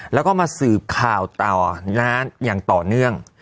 แล้วก็มาสืบข่าวต่ออย่างต่อเนื่อง